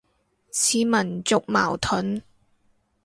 似民族矛盾